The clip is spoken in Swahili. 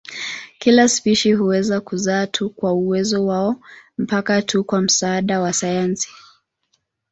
Kila spishi huweza kuzaa tu kwa uwezo wao mpaka tu kwa msaada wa sayansi.